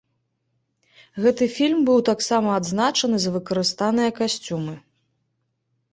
Гэты фільм быў таксама адзначаны за выкарыстаныя касцюмы.